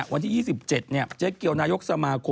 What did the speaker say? วันที่๒๗เจ๊เกียวนายกสมาคม